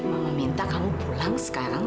mama minta kamu pulang sekarang